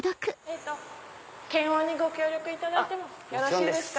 検温ご協力いただいてよろしいですか？